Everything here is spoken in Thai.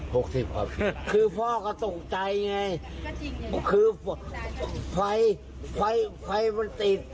๖๐ปีคือพ่อก็ตกใจไงคือไฟไฟไฟมันติด